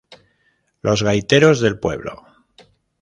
Los Gaiteros del Pueblo.